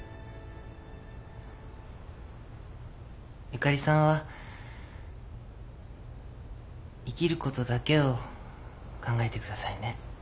ゆかりさんは生きることだけを考えてくださいね。